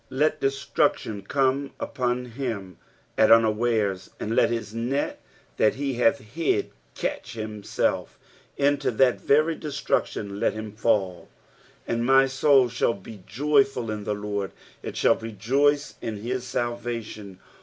8 Let destruction come upon him at unawares ; and let his net that he hath hid catch himself : into that very destruction let him fall. 9 And my soul shall be joyful in the LORD : it shall rejoice in his salvation.